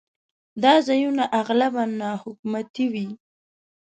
دا ځایونه اغلباً ناحکومتي وي.